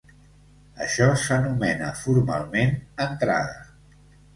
Això s'anomena formalment entrada.